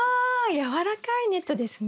やわらかいネットですね？